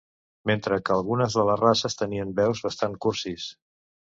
Mentre que algunes de les races tenien veus bastant cursis.